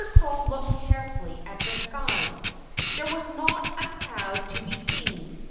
Crow looked carefully at the sky. There was not a cloud to be seen.